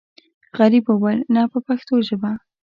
غریب وویل نه په پښتو ژبه.